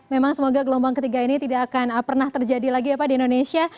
memang semoga gelombang ketiga ini tidak akan pernah terjadi lagi ya pak di indonesia